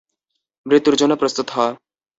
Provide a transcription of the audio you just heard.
মৃত্যুর জন্য প্রস্তুত হ!